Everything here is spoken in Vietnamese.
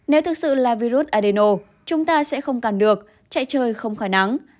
nếu thực sự là virus adeno chúng ta sẽ không càn được chạy chơi không khỏi nắng